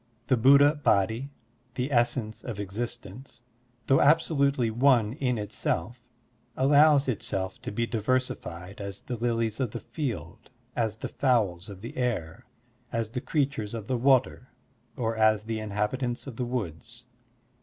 The Buddha Body, the essence of existence, though absolutely one in itself, allows itself to be diver sified as the lilies of the field, as the fowls of the air, as the creatures of the water, or as the inhabitants of the woods.